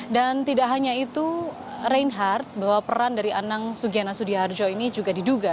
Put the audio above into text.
dan tidak hanya itu reinhardt bahwa peran dari anak sugiana sudiharjo ini juga diduga